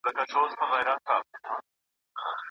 د دوی مخ ته د ملګري کښېناستل وه